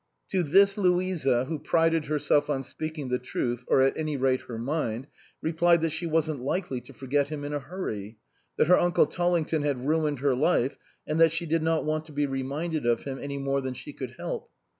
To this Louisa, who prided herself on speak ing the truth or at any rate her mind, replied that she wasn't likely to forget him in a hurry ; that her uncle Tollington had ruined her life, and she did not want to be reminded of him any more than she could help.